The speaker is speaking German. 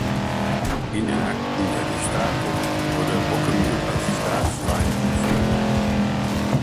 In den Akten der Gestapo wurde Bockemühl als „Staatsfeind“ geführt.